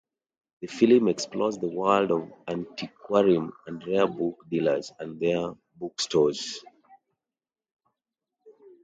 The film explores the world of antiquarian and rare book dealers and their bookstores.